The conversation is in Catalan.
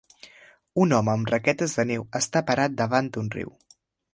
Un home amb raquetes de neu està parat davant d'un riu.